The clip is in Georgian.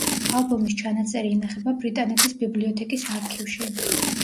ალბომის ჩანაწერი ინახება ბრიტანეთის ბიბლიოთეკის არქივში.